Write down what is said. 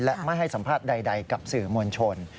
และไม่ให้สัมภาษณ์ใดกับสื่อมวลชน